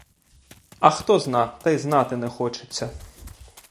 А хто зна, та й знати не хочеться.